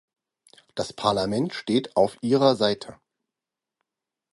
Das Parlament steht auf Ihrer Seite.